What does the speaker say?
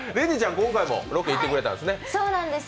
今回もロケ行ってくれたんですね。